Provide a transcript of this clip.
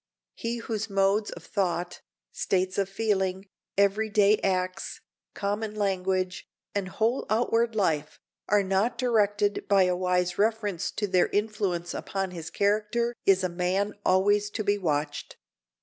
He whose modes of thought, states of feeling, every day acts, common language, and whole outward life, are not directed by a wise reference to their influence upon his character is a man always to be watched.